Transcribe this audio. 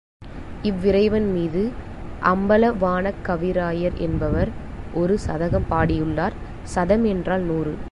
இவ் விறைவன்மீது அம்பல வாணக் கவிராயர் என்பவர் ஒரு சதகம் பாடியுள்ளார், சதம் என்றால் நூறு.